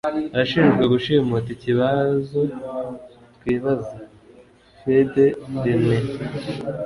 Arashinjwa gushimuta ikibazo twibaza(FeuDRenais)